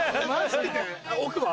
奥は？